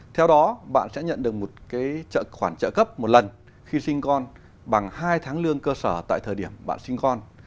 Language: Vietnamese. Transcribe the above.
theo đó bạn sẽ nhận được một khoản trợ cấp một lần khi sinh con bằng hai tháng lương cơ sở tại thời điểm bạn sinh con